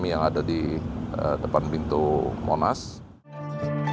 yang berada di depan pintu monastir